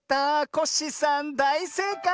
コッシーさんだいせいかい！